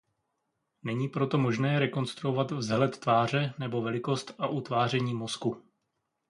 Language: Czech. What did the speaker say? Není proto možné rekonstruovat vzhled tváře nebo velikost a utváření mozku.